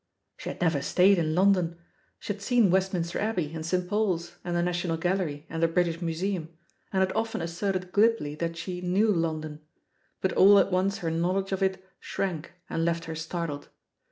She had never stayed in Ixmdon. She had seen Westminster Abbey, and St. Paul's, and the National Gallery, and the British Museum^ and had often asserted glibly that she ^'knew London," but all at once her knowledge of it shrank and left her startled.